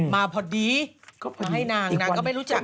มาพอดีก็มาให้นางนางก็ไม่รู้จัก